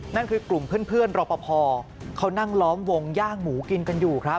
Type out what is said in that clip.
นั่นคือกลุ่มเพื่อนรอปภเขานั่งล้อมวงย่างหมูกินกันอยู่ครับ